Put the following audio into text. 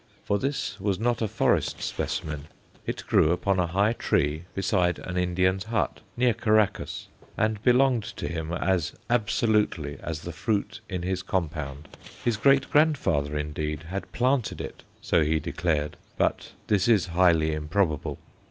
For this was not a forest specimen. It grew upon a high tree beside an Indian's hut, near Caraccas, and belonged to him as absolutely as the fruit in his compound. His great grandfather, indeed, had "planted" it, so he declared, but this is highly improbable.